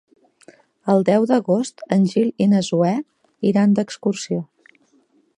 El deu d'agost en Gil i na Zoè iran d'excursió.